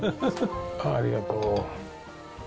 ありがとう。